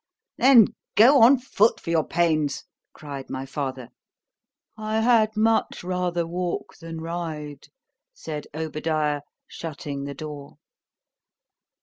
_—Then go on foot for your pains, cried my father——I had much rather walk than ride, said Obadiah, shutting the door.